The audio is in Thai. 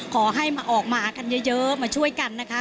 ขอให้มาออกมากันเยอะมาช่วยกันนะคะ